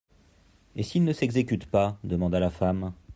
Et s'il ne s'exécute pas ? demanda la femme.